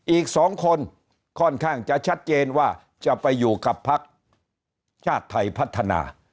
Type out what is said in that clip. อีก๒คนค่อนข้างจะชัดเจนว่าจะไปอยู่กับพักชาติไทยพัฒนา